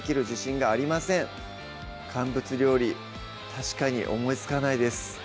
確かに思いつかないです